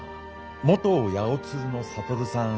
元八百鶴の智さん